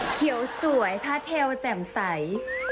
เขียวสวยผ้าเทลแจ่มใส